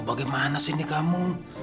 bagaimana sih ini kamu